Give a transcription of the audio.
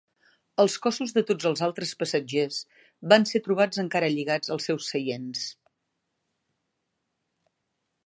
Els cossos de tots els altres passatgers van ser trobats encara lligats als seus seients.